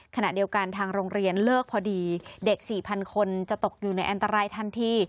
ขณะเดียวกันทางโรงเรียนเลิกพอดีเด็ก๔๐๐คนจะตกอยู่ในอันตรายทันที